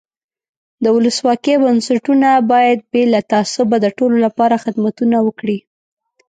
د ولسواکۍ بنسټونه باید بې له تعصبه د ټولو له پاره خدمتونه وکړي.